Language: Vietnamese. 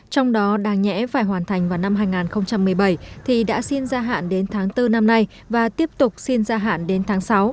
trong đó đáng nhẽ phải hoàn thành vào năm hai nghìn một mươi bảy thì đã xin gia hạn đến tháng bốn năm nay và tiếp tục xin gia hạn đến tháng sáu